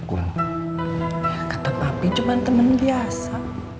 ya tetep tapi cuma temen biasa